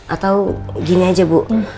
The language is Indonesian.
atau gini aja bu